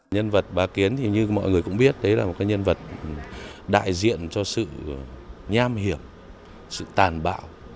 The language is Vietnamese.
nhân vật bà kiến thì như mọi người cũng biết đấy là một cái nhân vật đại diện cho sự nham hiểm sự tàn bạo